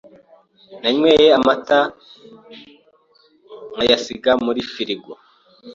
Nanyweye amata nkayasiga muri firigo.